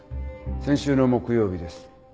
先週の木曜日です。